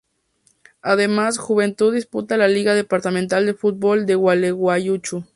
Además, Juventud disputa la Liga Departamental de fútbol de Gualeguaychú.